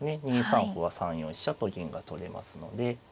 ２三歩は３四飛車と銀が取れますので。